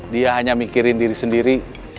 dia hanya mikirin diri sendiri